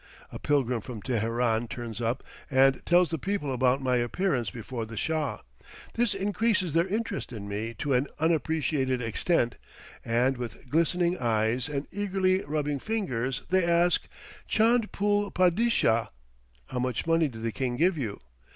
A pilgrim from Teheran turns up and tells the people about my appearance before the Shah; this increases their interest in me to an unappreciated extent, and, with glistening eyes and eagerly rubbing fingers, they ask "Chand pool Padishah?" (How much money did the King give you?)